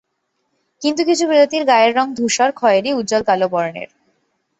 কিন্তু কিছু প্রজাতির গায়ের রঙ ধূসর, খয়েরী, উজ্জল কালো বর্ণের।